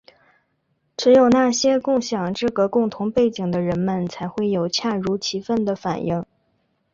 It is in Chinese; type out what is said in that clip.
只有那些共享这个共同背景的人们才会有恰如其分的反应。